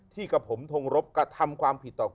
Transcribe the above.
กับผมทงรบกระทำความผิดต่อ